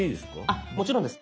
あっもちろんです。